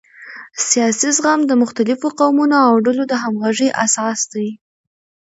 سیاسي زغم د مختلفو قومونو او ډلو د همغږۍ اساس دی